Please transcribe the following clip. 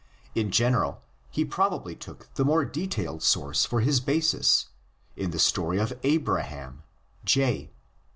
In general he probably took the more detailed source for his basis, in the story of Abraham J.